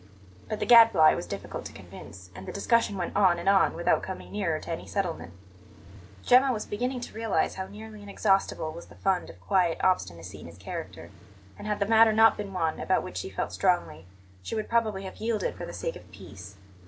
But the Gadfly was difficult to convince, and the discussion went on and on without coming nearer to any settlement. Gemma was beginning to realize how nearly inexhaustible was the fund of quiet obstinacy in his character; and, had the matter not been one about which she felt strongly, she would probably have yielded for the sake of peace.